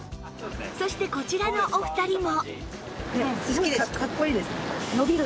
そしてこちらのお二人も